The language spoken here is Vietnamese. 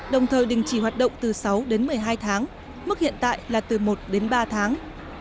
đồng thời đình chỉ hoạt động từ sáu đến một mươi hai tháng mức hiện tại là từ một đến ba tháng